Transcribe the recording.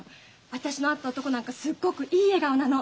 私の会った男なんかすっごくいい笑顔なの。